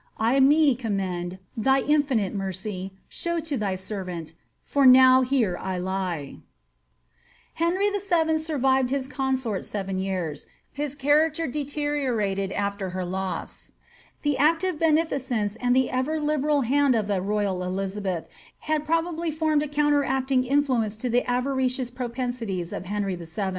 I me commend ; thy infinite mercy. Show to thy servant, for now here I lie I Henry VIL survived his consort seven years; his character deteriorated after her loss. The active beneficence and the ever liberal hand of the royal Elizabeth had probably formed a counteracting influence to the avaricious propensities of Henry VH.